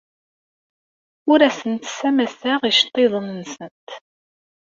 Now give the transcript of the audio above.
Ur asent-ssamaseɣ iceḍḍiḍen-nsent.